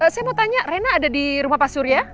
saya mau tanya rena ada di rumah pak surya